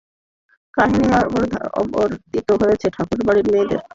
কাহিনি আবর্তিত হয়েছে ঠাকুর বাড়ির মেয়েদের ওপর গবেষণা করতে আসা একটি ছেলেকে ঘিরে।